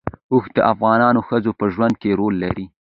اوښ د افغان ښځو په ژوند کې رول لري.